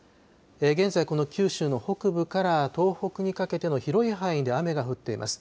現在、九州の北部から東北にかけての広い範囲で雨が降っています。